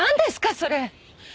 それ！